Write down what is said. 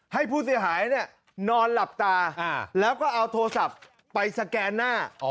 ให้ผู้เสียหายนอนหลับตาแล้วก็เอาโทรศัพท์ไปสแกนหน้า